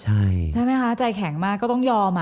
ใช่ไหมคะใจแข็งมากก็ต้องยอม